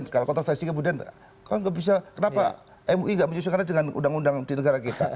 kalau kontroversi kemudian kenapa mui nggak menyusulkan dengan undang undang di negara kita